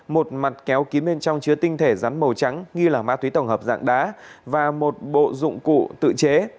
một mặt kéo kín bên trong chứa tinh thể rắn màu trắng nghi là ma túy tổng hợp dạng đá và một bộ dụng cụ tự chế